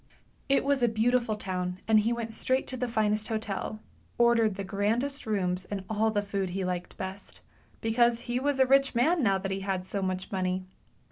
It was a beautiful town, and he went straight to the finest hotel, ordered the grandest rooms and all the food he liked best, because he was a rich man now that he had so much money.